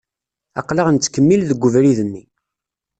Aqlaɣ nettkemmil deg ubrid-nni.